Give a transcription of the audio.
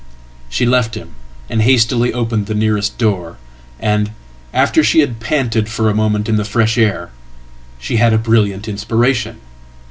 She left him and hastily opened the nearest door, and, after she hadpanted for a moment in the fresh air, she had a brilliant inspiration.